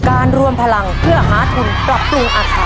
รวมพลังเพื่อหาทุนปรับปรุงอาคาร